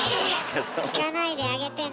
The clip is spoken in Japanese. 聞かないであげてね。